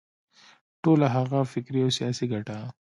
ټوله هغه فکري او سیاسي ګټه.